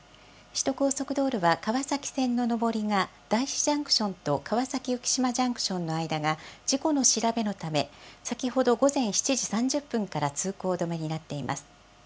首都高速道路は川崎線の上りがだいしジャンクションと川崎浮島ジャンクションの間が事故の調べのため、先ほど午前７時３０分から通行止めになっています。